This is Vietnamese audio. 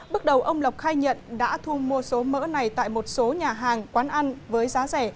bước đầu ông lộc khai nhận đã thu mua số mỡ này tại một số nhà hàng quán ăn với giá rẻ